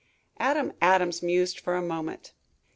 Adam Adams mused for a moment.